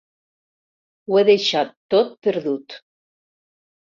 Ho he deixat tot perdut.